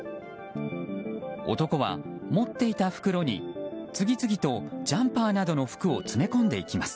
男は、持っていた袋に次々とジャンパーなどの服を詰め込んでいきます。